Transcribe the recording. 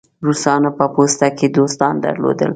روسانو په پوسته کې دوستان درلودل.